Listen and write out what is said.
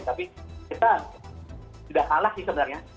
tapi kita sudah kalah sih sebenarnya